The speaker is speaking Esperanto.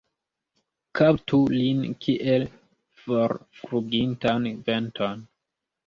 Kaptu lin kiel forflugintan venton.